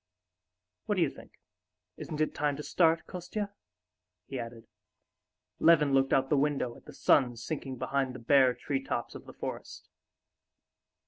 What do you think, isn't it time to start, Kostya?" he added. Levin looked out of the window at the sun sinking behind the bare tree tops of the forest.